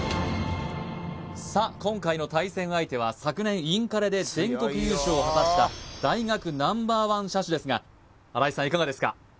さっ今回の対戦相手は昨年インカレで全国優勝を果たした大学Ｎｏ．１射手ですが新井さんいかがですか？